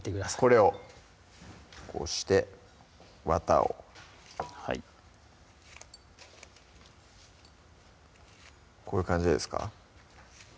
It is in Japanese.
これをこうしてわたをはいこういう感じですか？